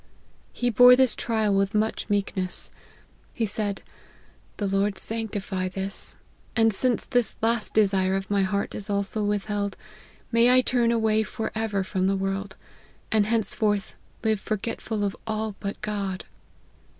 He bore this trial with much meekness : he said, " The Lord sanctify this : and since this last desire of my heart is also withheld, may I turn away for ever from the world, and henceforth live forgetful of all but God.